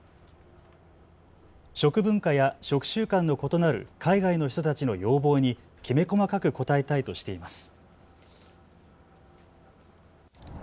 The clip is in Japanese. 食文化や食習慣の異なる海外の人たちの要望にきめ細かく応えたいとしています。